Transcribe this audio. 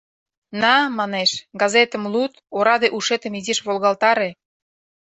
«На, манеш, газетым луд, ораде ушетым изиш волгалтаре».